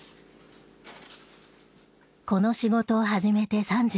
この仕事を始めて３４年。